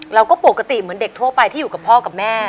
เราก็ปกติเหมือนเด็กทั่วไปที่อยู่กับพ่อกับแม่